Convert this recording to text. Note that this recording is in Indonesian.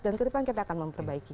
dan ke depan kita akan memperbaikinya